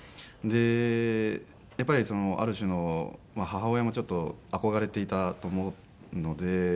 でやっぱりある種の母親もちょっと憧れていたと思うので。